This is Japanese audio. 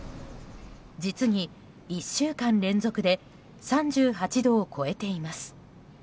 実に１週間連続で３８度を超えています。